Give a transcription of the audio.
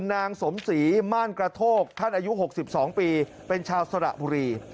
นางสมศรีม่านกระโทกท่านอายุ๖๒ปีเป็นชาวสระบุรี